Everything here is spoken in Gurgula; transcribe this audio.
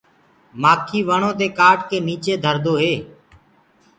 نيڪچي دي ڪآٽ ڪي نيڪچي دهردو هي۔